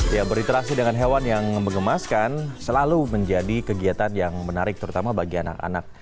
ya berinteraksi dengan hewan yang mengemaskan selalu menjadi kegiatan yang menarik terutama bagi anak anak